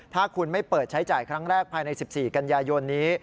ถ้าคุณไม่เปิดใช้จ่ายครั้งแรกภายใน๑๔กันยายนนี้